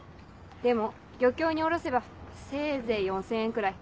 でも漁協に卸せばせいぜい４０００円くらい。